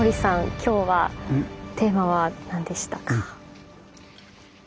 今日はテーマは何でしたか？